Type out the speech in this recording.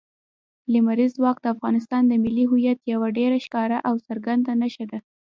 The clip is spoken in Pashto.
لمریز ځواک د افغانستان د ملي هویت یوه ډېره ښکاره او څرګنده نښه ده.